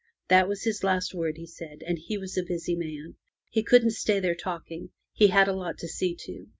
That was his last word, he said, and he was a busy man. He couldn't stay there talking; he had a lot to see to.